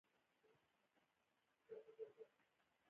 ازادي راډیو د کلتور د اړونده قوانینو په اړه معلومات ورکړي.